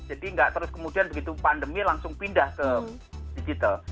jadi nggak terus kemudian begitu pandemi langsung pindah ke digital